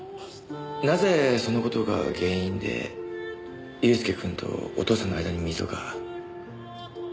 なぜその事が原因で祐介くんとお父さんの間に溝が？